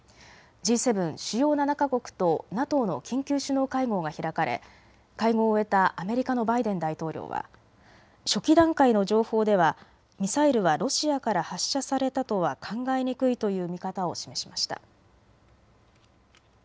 Ｇ７・主要７か国とＮＡＴＯの緊急首脳会合が開かれ会合を終えたアメリカのバイデン大統領は初期段階の情報ではミサイルはロシアから発射されたとは考えにくいという見方を示しました。